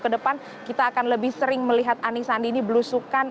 kapan kita akan lebih sering melihat andi dan sandi ini belusukan